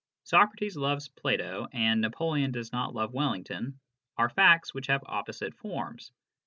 " Socrates loves Plato " and " Napoleon does not love Wellington " are facts which have opposite forms.